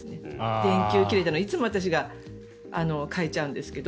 電球切れたのを、いつも私が替えちゃうんですけど。